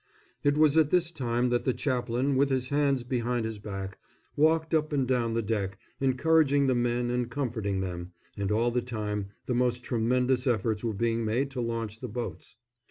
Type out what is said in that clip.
It was at this time that the chaplain, with his hands behind his back, walked up and down the deck, encouraging the men and comforting them and all the time the most tremendous efforts were being made to launch the boats.